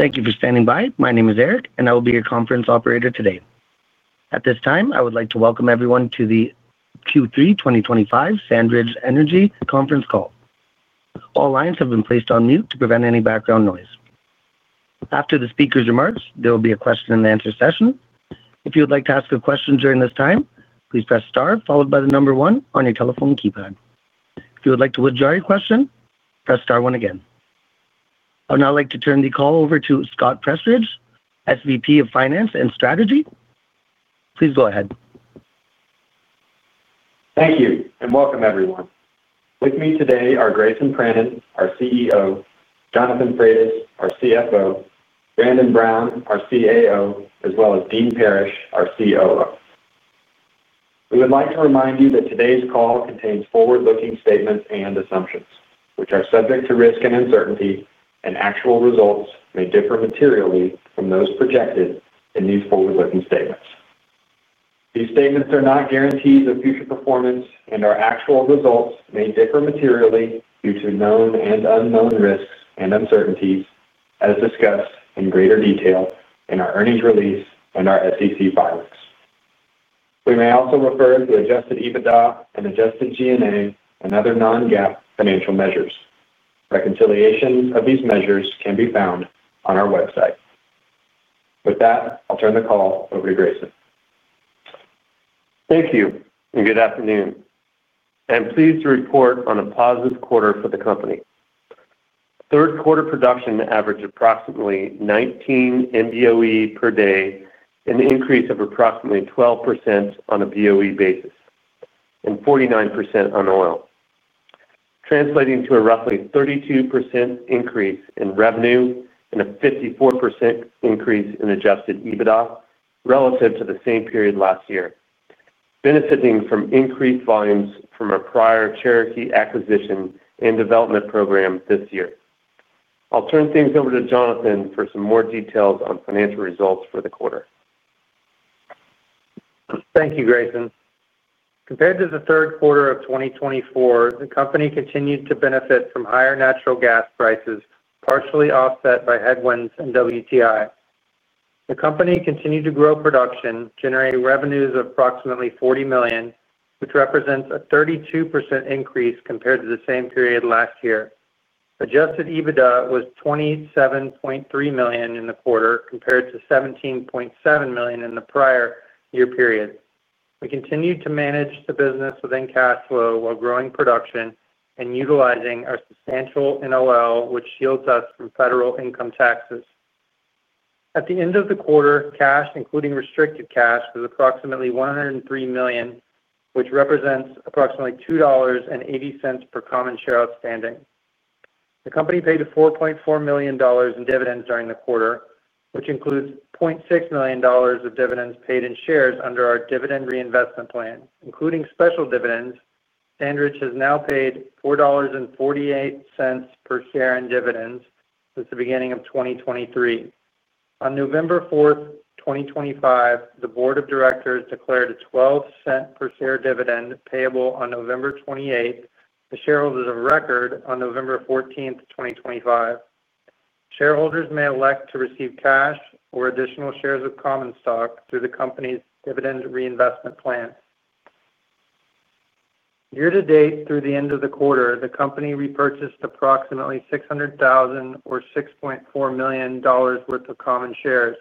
Thank you for standing by. My name is Eric, and I will be your conference operator today. At this time, I would like to welcome everyone to the Q3 2025 SandRidge Energy Conference Call. All lines have been placed on mute to prevent any background noise. After the speaker's remarks, there will be a question-and-answer session. If you would like to ask a question during this time, please press star followed by the number one on your telephone keypad. If you would like to withdraw your question, press star one again. I would now like to turn the call over to Scott Prestridge, SVP of Finance and Strategy. Please go ahead. Thank you and welcome everyone. With me today are Grayson Pranin, our CEO, Jonathan Frates, our CFO, Brandon Brown, our CAO, as well as Dean Parrish, our COO. We would like to remind you that today's call contains forward-looking statements and assumptions, which are subject to risk and uncertainty, and actual results may differ materially from those projected in these forward-looking statements. These statements are not guarantees of future performance, and our actual results may differ materially due to known and unknown risks and uncertainties, as discussed in greater detail in our earnings release and our SEC filings. We may also refer to adjusted EBITDA and adjusted G&A and other non-GAAP financial measures. Reconciliations of these measures can be found on our website. With that, I'll turn the call over to Grayson. Thank you and good afternoon. I am pleased to report on a positive quarter for the company. Third-quarter production averaged approximately 19 MBOE per day, an increase of approximately 12% on a BOE basis and 49% on oil, translating to a roughly 32% increase in revenue and a 54% increase in adjusted EBITDA relative to the same period last year, benefiting from increased volumes from our prior Cherokee acquisition and development program this year. I'll turn things over to Jonathan for some more details on financial results for the quarter. Thank you, Grayson. Compared to the third quarter of 2024, the company continued to benefit from higher natural gas prices, partially offset by headwinds in WTI. The company continued to grow production, generating revenues of approximately $40 million, which represents a 32% increase compared to the same period last year. Adjusted EBITDA was $27.3 million in the quarter, compared to $17.7 million in the prior year period. We continued to manage the business within cash flow while growing production and utilizing our substantial NOL, which shields us from federal income taxes. At the end of the quarter, cash, including restricted cash, was approximately $103 million, which represents approximately $2.80 per common share outstanding. The company paid $4.4 million in dividends during the quarter, which includes $0.6 million of dividends paid in shares under our dividend reinvestment plan, including special dividends. SandRidge has now paid $4.48 per share in dividends since the beginning of 2023. On November 4, 2025, the board of directors declared a $0.12 per share dividend payable on November 28, to shareholders of record on November 14, 2025. Shareholders may elect to receive cash or additional shares of common stock through the company's dividend reinvestment plan. Year-to-date, through the end of the quarter, the company repurchased approximately 600,000 shares or $6.4 million worth of common shares.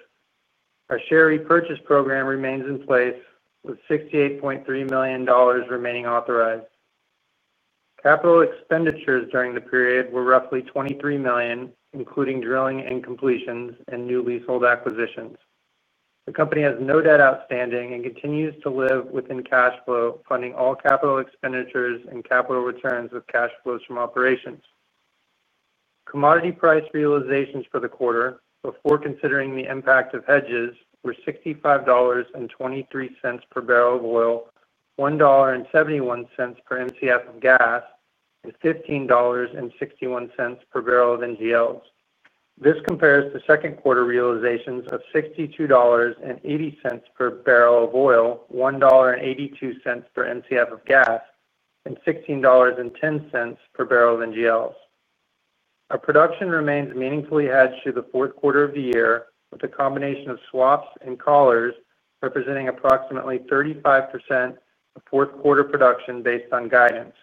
Our share repurchase program remains in place, with $68.3 million remaining authorized. Capital expenditures during the period were roughly $23 million, including drilling and completions and new leasehold acquisitions. The company has no debt outstanding and continues to live within cash flow, funding all capital expenditures and capital returns with cash flows from operations. Commodity price realizations for the quarter, before considering the impact of hedges, were $65.23 per barrel of oil, $1.71 per Mcf of gas, and $15.61 per barrel of NGLs. This compares to second-quarter realizations of $62.80 per barrel of oil, $1.82 per Mcf of gas, and $16.10 per barrel of NGLs. Our production remains meaningfully hedged through the fourth quarter of the year, with a combination of swaps and collars representing approximately 35% of fourth-quarter production based on guidance.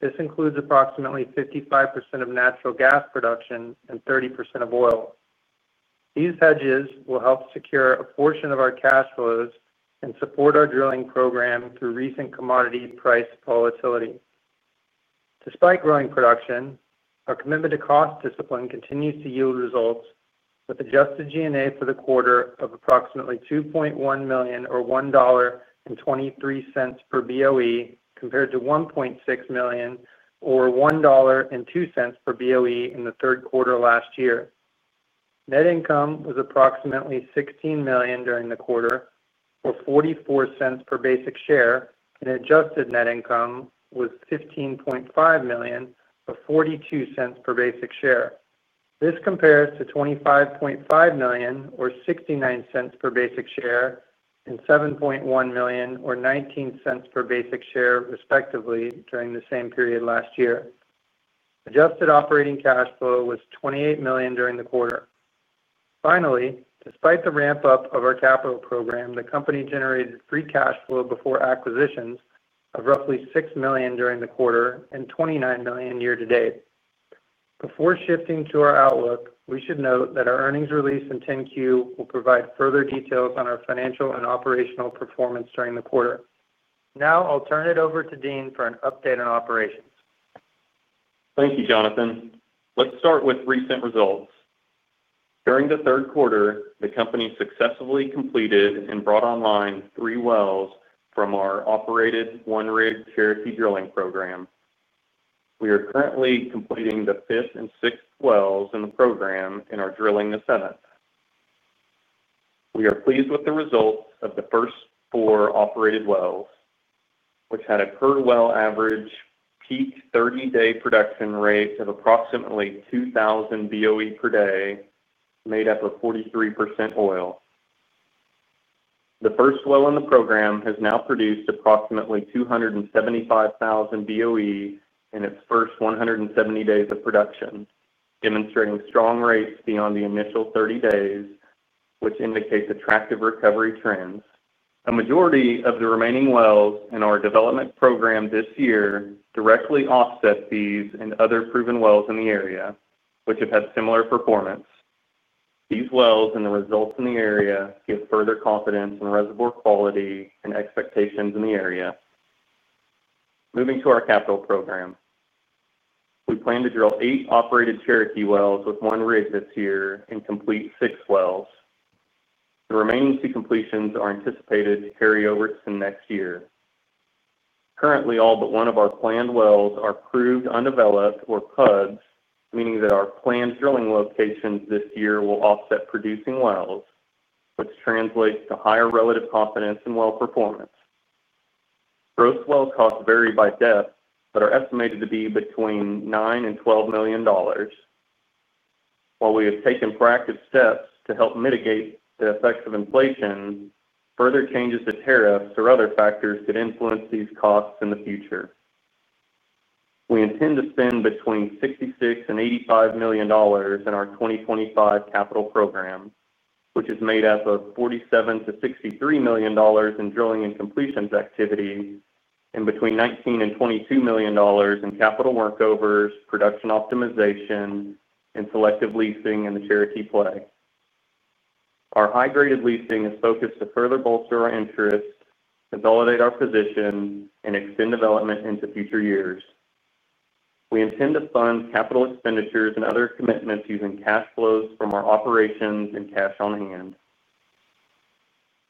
This includes approximately 55% of natural gas production and 30% of oil. These hedges will help secure a portion of our cash flows and support our drilling program through recent commodity price volatility. Despite growing production, our commitment to cost discipline continues to yield results, with adjusted G&A for the quarter of approximately $2.1 million or $1.23 per BOE, compared to $1.6 million or $1.02 per BOE in the third quarter last year. Net income was approximately $16 million during the quarter, or $0.44 per basic share, and adjusted net income was $15.5 million, or $0.42 per basic share. This compares to $25.5 million, or $0.69 per basic share, and $7.1 million, or $0.19 per basic share, respectively, during the same period last year. Adjusted operating cash flow was $28 million during the quarter. Finally, despite the ramp-up of our capital program, the company generated free cash flow before acquisitions of roughly $6 million during the quarter and $29 million year-to-date. Before shifting to our outlook, we should note that our earnings release and 10-Q will provide further details on our financial and operational performance during the quarter. Now I'll turn it over to Dean for an update on operations. Thank you, Jonathan. Let's start with recent results. During the third quarter, the company successfully completed and brought online three wells from our operated One rig Cherokee drilling program. We are currently completing the fifth and sixth wells in the program and are drilling the seventh. We are pleased with the results of the first four operated wells, which had a per well average peak 30-day production rate of approximately 2,000 BOE per day, made up of 43% oil. The first well in the program has now produced approximately 275,000 BOE in its first 170 days of production, demonstrating strong rates beyond the initial 30 days, which indicates attractive recovery trends. A majority of the remaining wells in our development program this year directly offset these and other proven wells in the area, which have had similar performance. These wells and the results in the area give further confidence in reservoir quality and expectations in the area. Moving to our capital program. We plan to drill eight operated Cherokee wells with One rig this year and complete six wells. The remaining two completions are anticipated to carry over to next year. Currently, all but one of our planned wells are proved undeveloped or PUDs, meaning that our planned drilling locations this year will offset producing wells, which translates to higher relative confidence in well performance. Gross well costs vary by depth but are estimated to be between $9 million and $12 million. While we have taken proactive steps to help mitigate the effects of inflation, further changes to tariffs or other factors could influence these costs in the future. We intend to spend between $66 million and $85 million in our 2025 capital program, which is made up of $47 million-$63 million in drilling and completions activity and between $19 million and $22 million in capital workovers, production optimization, and selective leasing in the Cherokee play. Our high-graded leasing is focused to further bolster our interest, consolidate our position, and extend development into future years. We intend to fund capital expenditures and other commitments using cash flows from our operations and cash on hand.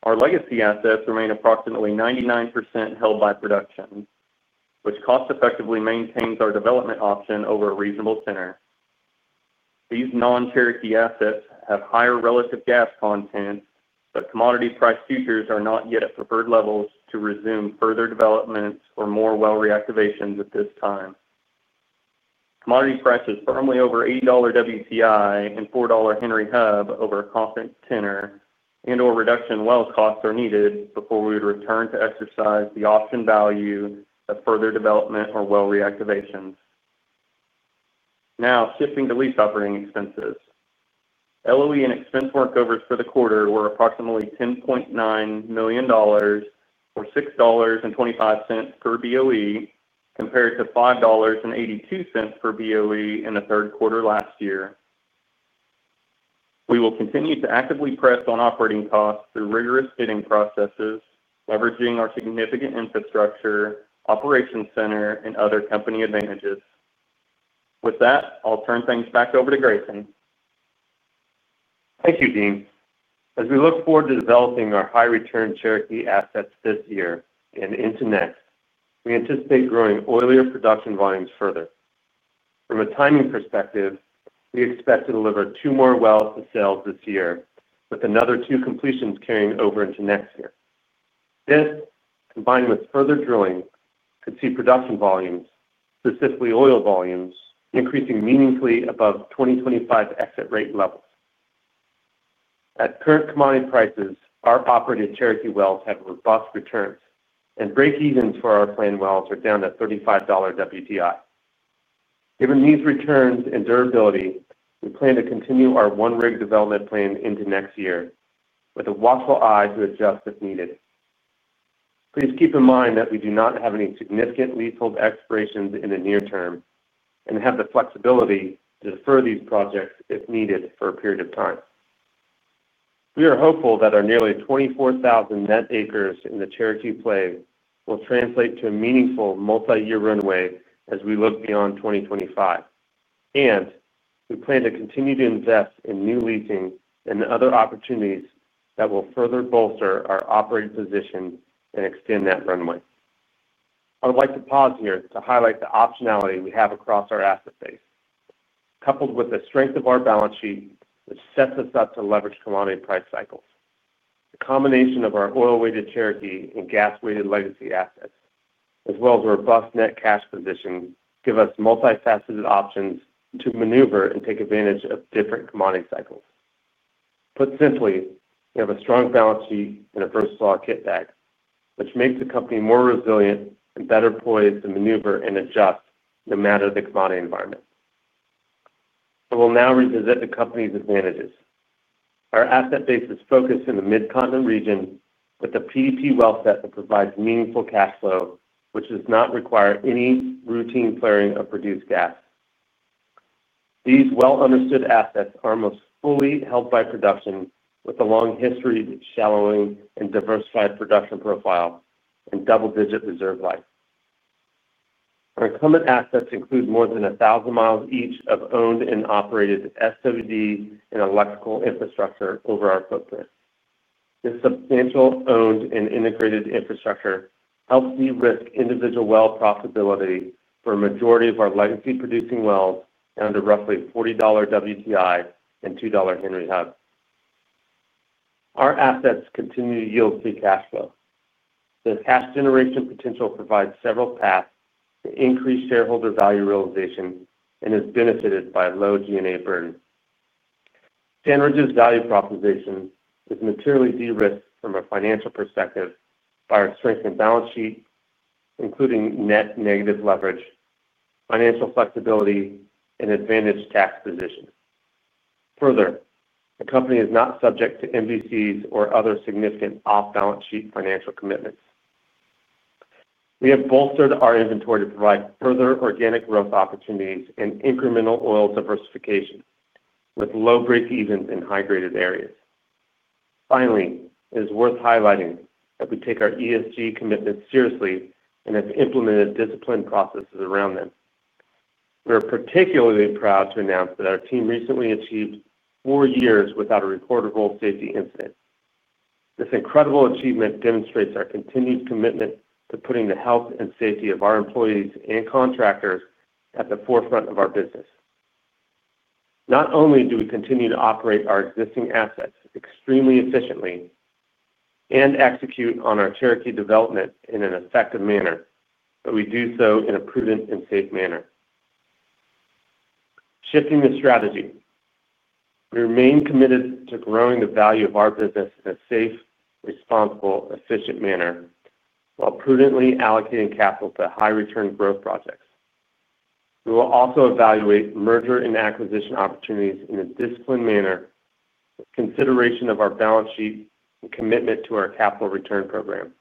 Our legacy assets remain approximately 99% held by production, which cost-effectively maintains our development option over a reasonable tenor. These non-Cherokee assets have higher relative gas content, but commodity price futures are not yet at preferred levels to resume further developments or more well reactivations at this time. Commodity prices firmly over $80 WTI and $4 Henry Hub over a confident tenor and/or reduction in well costs are needed before we would return to exercise the option value of further development or well reactivations. Now shifting to lease operating expenses. LOE and expense workovers for the quarter were approximately $10.9 million, or $6.25 per BOE, compared to $5.82 per BOE in the third quarter last year. We will continue to actively press on operating costs through rigorous bidding processes, leveraging our significant infrastructure, operations center, and other company advantages. With that, I'll turn things back over to Grayson. Thank you, Dean. As we look forward to developing our high-return Cherokee assets this year and into next, we anticipate growing oil production volumes further. From a timing perspective, we expect to deliver two more wells to sale this year, with another two completions carrying over into next year. This, combined with further drilling, could see production volumes, specifically oil volumes, increasing meaningfully above 2025 exit rate levels. At current commodity prices, our operated Cherokee wells have robust returns, and break-evens for our planned wells are down to $35 WTI. Given these returns and durability, we plan to continue our OneRidge development plan into next year, with a watchful eye to adjust if needed. Please keep in mind that we do not have any significant leasehold expirations in the near term and have the flexibility to defer these projects if needed for a period of time. We are hopeful that our nearly 24,000 net acres in the Cherokee play will translate to a meaningful multi-year runway as we look beyond 2025. We plan to continue to invest in new leasing and other opportunities that will further bolster our operating position and extend that runway. I would like to pause here to highlight the optionality we have across our asset base, coupled with the strength of our balance sheet, which sets us up to leverage commodity price cycles. The combination of our oil-weighted Cherokee and gas-weighted legacy assets, as well as a robust net cash position, gives us multifaceted options to maneuver and take advantage of different commodity cycles. Put simply, we have a strong balance sheet and a first-saw kit bag, which makes the company more resilient and better poised to maneuver and adjust no matter the commodity environment. I will now revisit the company's advantages. Our asset base is focused in the Mid-Continent Region, with a PDP well set that provides meaningful cash flow, which does not require any routine flaring of produced gas. These well-understood assets are almost fully held by production, with a long history of shallowing and diversified production profile and double-digit reserve life. Our incumbent assets include more than 1,000 mi each of owned and operated SWD and electrical infrastructure over our footprint. This substantial owned and integrated infrastructure helps de-risk individual well profitability for a majority of our legacy producing wells under roughly $40 WTI and $2 Henry Hub. Our assets continue to yield free cash flow. The cash generation potential provides several paths to increase shareholder value realization and is benefited by a low G&A burden. SandRidge's value proposition is materially de-risked from a financial perspective by our strength and balance sheet, including net negative leverage, financial flexibility, and advantaged tax position. Further, the company is not subject to MVCs or other significant off-balance sheet financial commitments. We have bolstered our inventory to provide further organic growth opportunities and incremental oil diversification, with low break-evens in high-graded areas. Finally, it is worth highlighting that we take our ESG commitments seriously and have implemented discipline processes around them. We are particularly proud to announce that our team recently achieved four years without a recordable safety incident. This incredible achievement demonstrates our continued commitment to putting the health and safety of our employees and contractors at the forefront of our business. Not only do we continue to operate our existing assets extremely efficiently, we execute on our Cherokee development in an effective manner, and we do so in a prudent and safe manner. Shifting the strategy, we remain committed to growing the value of our business in a safe, responsible, efficient manner while prudently allocating capital to high-return growth projects. We will also evaluate merger and acquisition opportunities in a disciplined manner, with consideration of our balance sheet and commitment to our capital return program.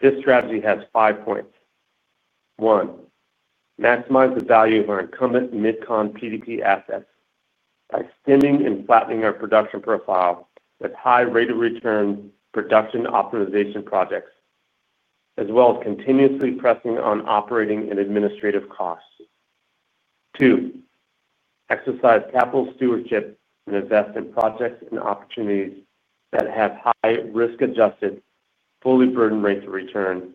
This strategy has five points. One, maximize the value of our incumbent Mid-Continent PDP assets by extending and flattening our production profile with high-rated return production optimization projects, as well as continuously pressing on operating and administrative costs. Two, exercise capital stewardship and invest in projects and opportunities that have high risk-adjusted, fully burdened rates of return,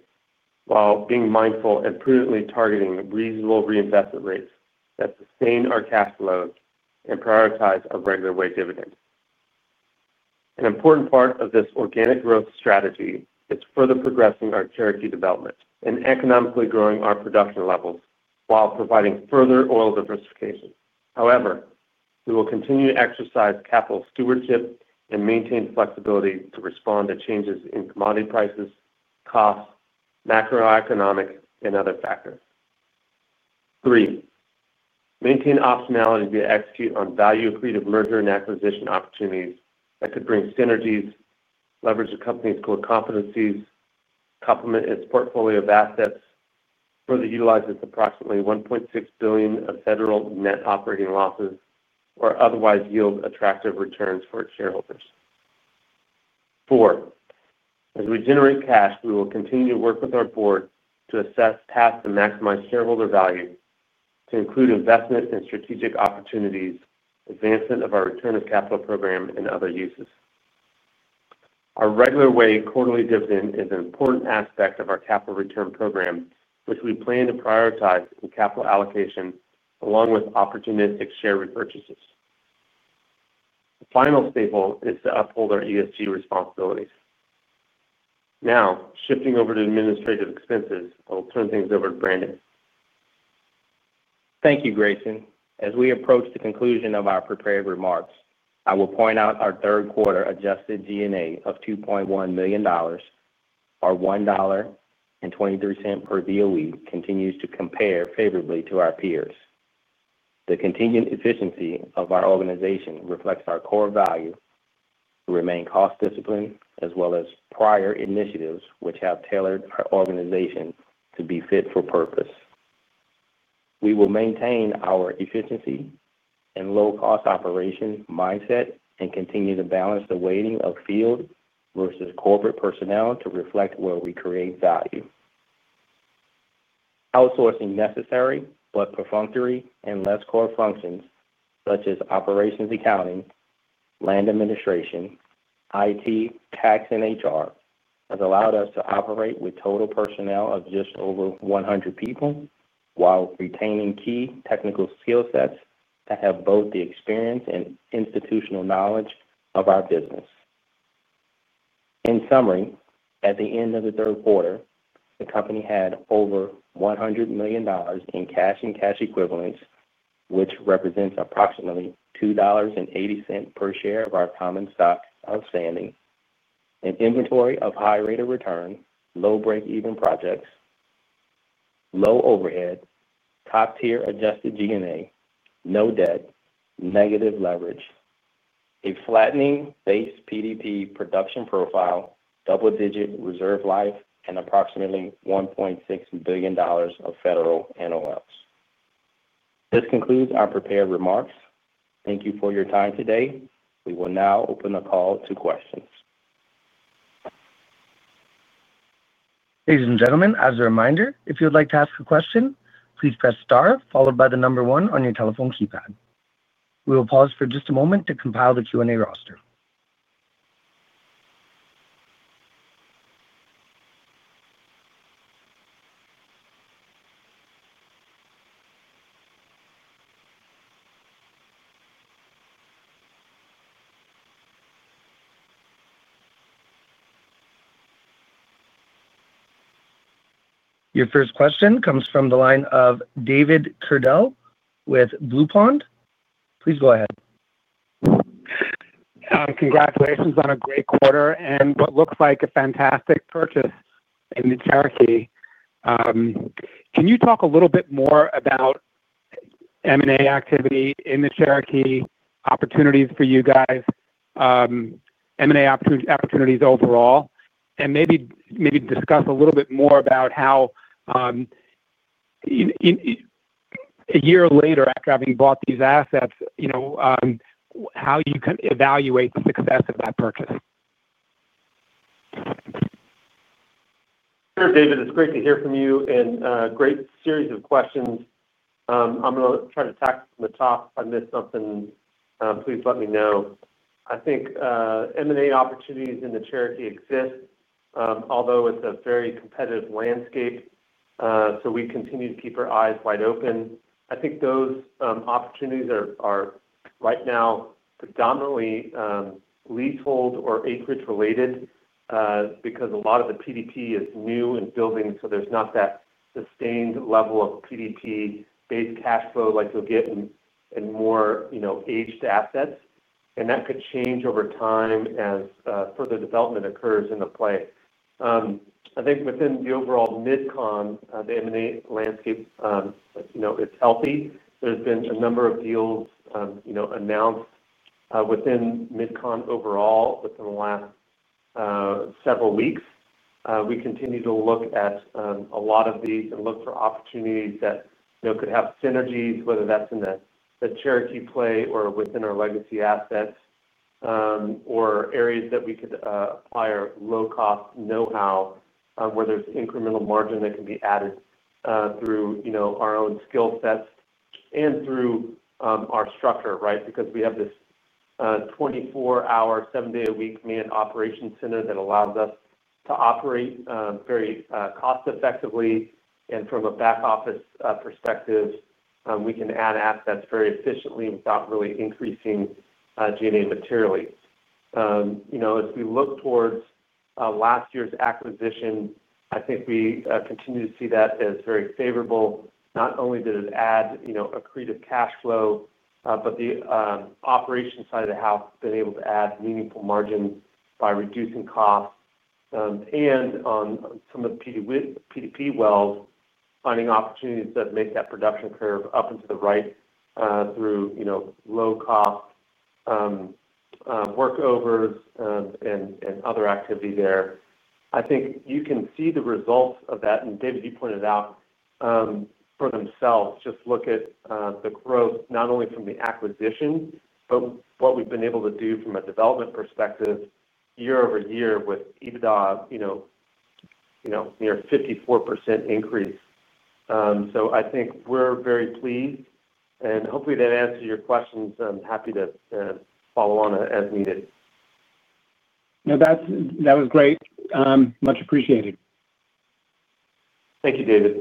while being mindful and prudently targeting reasonable reinvestment rates that sustain our cash flows and prioritize a regular way dividend. An important part of this organic growth strategy is further progressing our Cherokee development and economically growing our production levels while providing further oil diversification. However, we will continue to exercise capital stewardship and maintain flexibility to respond to changes in commodity prices, costs, macroeconomics, and other factors. Three. Maintain optionality to execute on value-accretive merger and acquisition opportunities that could bring synergies, leverage the company's core competencies, complement its portfolio of assets, further utilize its approximately $1.6 billion of federal net operating losses, or otherwise yield attractive returns for its shareholders. Four. As we generate cash, we will continue to work with our board to assess paths and maximize shareholder value to include investment and strategic opportunities, advancement of our return of capital program, and other uses. Our regular way quarterly dividend is an important aspect of our capital return program, which we plan to prioritize in capital allocation along with opportunistic share repurchases. The final staple is to uphold our ESG responsibilities. Now shifting over to administrative expenses, I'll turn things over to Brandon. Thank you, Grayson. As we approach the conclusion of our prepared remarks, I will point out our third quarter adjusted G&A of $2.1 million. Our $1.23 per BOE continues to compare favorably to our peers. The continued efficiency of our organization reflects our core value. To remain cost disciplined as well as prior initiatives which have tailored our organization to be fit for purpose. We will maintain our efficiency and low-cost operation mindset and continue to balance the weighting of field versus corporate personnel to reflect where we create value. Outsourcing necessary but perfunctory and less core functions such as operations accounting, land administration, IT, tax, and HR has allowed us to operate with total personnel of just over 100 people while retaining key technical skill sets that have both the experience and institutional knowledge of our business. In summary, at the end of the third quarter, the company had over $100 million in cash and cash equivalents, which represents approximately $2.80 per share of our common stock outstanding, an inventory of high-rated return, low break-even projects, low overhead, top-tier adjusted G&A, no debt, negative leverage. A flattening-based PDP production profile, double-digit reserve life, and approximately $1.6 billion of federal NOLs. This concludes our prepared remarks. Thank you for your time today. We will now open the call to questions. Ladies and gentlemen, as a reminder, if you'd like to ask a question, please press star followed by the number one on your telephone keypad. We will pause for just a moment to compile the Q&A roster. Your first question comes from the line of David Kerdell with Blue Pond. Please go ahead. Congratulations on a great quarter and what looks like a fantastic purchase in the Cherokee. Can you talk a little bit more about M&A activity in the Cherokee, opportunities for you guys, M&A opportunities overall, and maybe discuss a little bit more about how a year later after having bought these assets, how you can evaluate the success of that purchase? Sure, David. It's great to hear from you and a great series of questions. I'm going to try to tack from the top. If I miss something, please let me know. I think M&A opportunities in the Cherokee exist, although it's a very competitive landscape, so we continue to keep our eyes wide open. I think those opportunities are right now predominantly leasehold or acreage related, because a lot of the PDP is new and building, so there's not that sustained level of PDP-based cash flow like you'll get in more aged assets. That could change over time as further development occurs in the play. I think within the overall Mid-Continent, the M&A landscape is healthy. There's been a number of deals announced within Mid-Continent overall within the last several weeks. We continue to look at a lot of these and look for opportunities that could have synergies, whether that's in the Cherokee play or within our legacy assets. Or areas that we could acquire low-cost know-how where there's incremental margin that can be added through our own skill sets and through our structure, right? Because we have this 24-hour, seven-day-a-week man-operation center that allows us to operate very cost-effectively. From a back-office perspective, we can add assets very efficiently without really increasing G&A materially. As we look towards last year's acquisition, I think we continue to see that as very favorable. Not only did it add accretive cash flow, but the operation side of the house has been able to add meaningful margin by reducing costs. On some of the PDP wells, finding opportunities that make that production curve up and to the right through low-cost. Workovers and other activity there. I think you can see the results of that. David, you pointed out. For themselves, just look at the growth not only from the acquisition, but what we've been able to do from a development perspective year-over-year with EBITDA. Near a 54% increase. I think we're very pleased. Hopefully, that answers your questions. I'm happy to follow on as needed. No, that was great. Much appreciated. Thank you, David.